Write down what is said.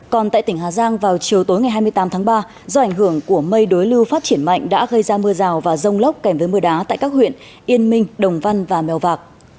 còn tại tỉnh hà giang vào chiều tối ngày hai mươi tám tháng ba do ảnh hưởng của mây đối lưu phát triển mạnh đã gây ra mưa rào và rông lốc kèm với mưa đá tại các huyện yên minh đồng văn và mèo vạc